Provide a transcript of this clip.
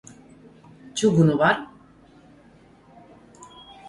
Čugunu var?